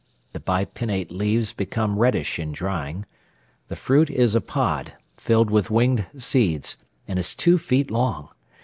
The bipinnate leaves become reddish in drying. The fruit is a pod, filled with winged seeds, and is two feet long.